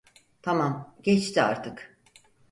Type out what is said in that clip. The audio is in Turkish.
Tamam, geçti artık.